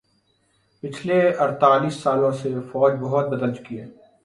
پچھلے اڑتالیس سالوں میں فوج بہت بدل چکی ہے